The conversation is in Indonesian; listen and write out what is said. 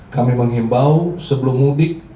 kami menghimbau sebelum mudik